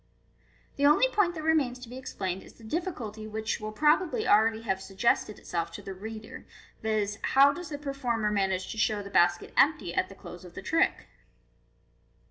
The only point that remains to be explained is the difficulty which will probably already have suggested itself to the reader, viz., " How does the performer manage to show the basket empty at the close of the trick